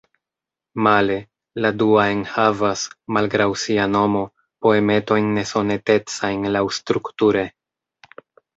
Male, la dua enhavas, malgraŭ sia nomo, poemetojn nesonetecajn laŭstrukture.